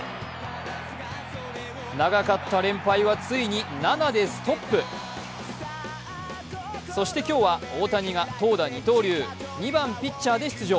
長かった連敗はついに７でストップそして今日は大谷が投打二刀流、２番・ピッチャーで出場。